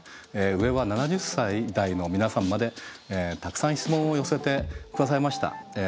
上は７０歳代の皆さんまでたくさん質問を寄せて下さいました。